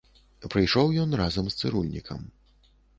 Прыйшоў ён разам з цырульнікам.